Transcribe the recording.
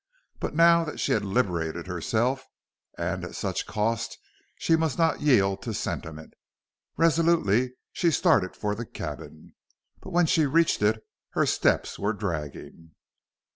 But now that she had liberated herself, and at such cost, she must not yield to sentiment. Resolutely she started for the cabin, but when she reached it her steps were dragging.